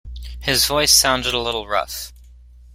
His voice sounded a little rough.